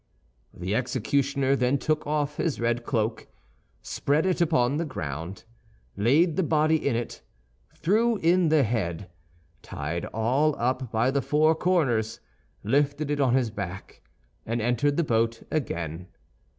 The executioner then took off his red cloak, spread it upon the ground, laid the body in it, threw in the head, tied all up by the four corners, lifted it on his back, and entered the boat again.